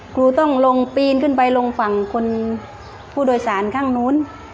ครูต้องลงปีนขึ้นไปลงฝั่งคนผู้โดยสารข้างนู้น